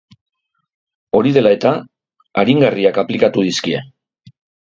Hori dela eta, aringarriak aplikatu dizkie.